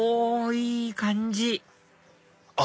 いい感じあっ